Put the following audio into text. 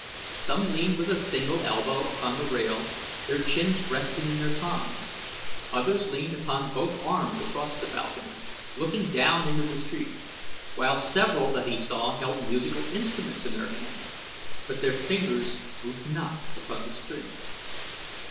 Some leaned with a single elbow upon the rail, their chins resting in their palms; others leaned upon both arms across the balcony, looking down into the street, while several that he saw held musical instruments in their hands, but their fingers moved not upon the strings.